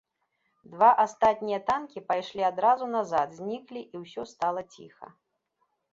Два астатнія танкі пайшлі адразу назад, зніклі, і ўсё стала ціха.